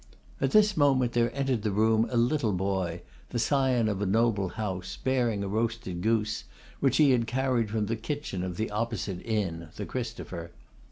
At this moment there entered the room a little boy, the scion of a noble house, bearing a roasted goose, which he had carried from the kitchen of the opposite inn, the Christopher.